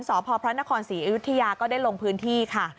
สพพระนครศรีอยุธยาก็ได้ลงพื้นที่ค่ะ